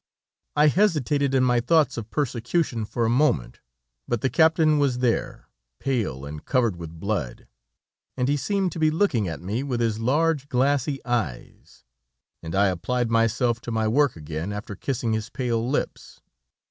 "I hesitated in my thoughts of persecution for a moment. But the captain was there, pale and covered with blood, and he seemed to be looking at me with his large, glassy eyes, and I applied myself to my work again after kissing his pale lips.